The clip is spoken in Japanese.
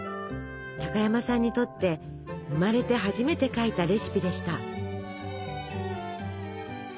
高山さんにとって生まれて初めて書いたレシピでした。